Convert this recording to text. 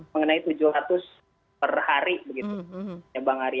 mengenai tujuh ratus per hari